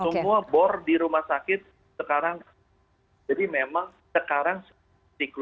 semua bor di rumah sakit sekarang jadi memang sekarang